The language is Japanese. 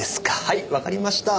はいわかりました。